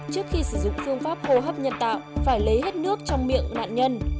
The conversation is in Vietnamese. trước khi sử dụng phương pháp hô hấp nhân tạo phải lấy hết nước trong miệng nạn nhân